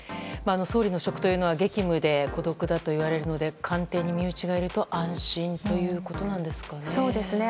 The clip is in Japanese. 総理の職というのは激務で孤独だといわれるので官邸に身内がいると安心ということなんですかね。